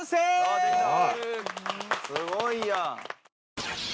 すごいやん。